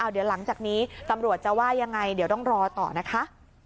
เดี๋ยวหลังจากนี้ตำรวจจะว่ายังไงเดี๋ยวต้องรอต่อนะคะ